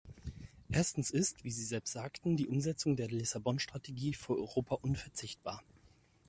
Erstens ist, wie Sie selbst sagten, die Umsetzung der Lissabon-Strategie für Europa unverzichtbar.